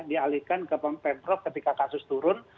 dialihkan ke pemprov ketika kasus turun